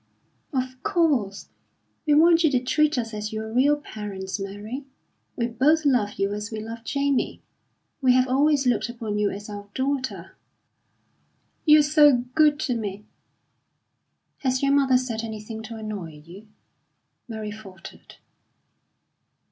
"Of course, we want you to treat us as your real parents, Mary. We both love you as we love Jamie. We have always looked upon you as our daughter." "You're so good to me!" "Has your mother said anything to annoy you?" Mary faltered.